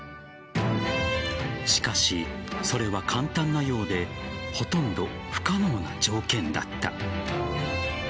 しかし、それは簡単なようでほとんど不可能な条件だった。